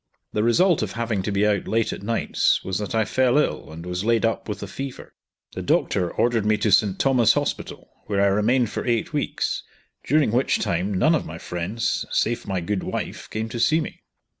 The result of having to be out late at nights, was that I fell ill, and was laid up with a fever. The doctor ordered me to St. Thomas' Hospital, where I remained for eight weeks, during which time none of my friends, save my good wife, came to see me.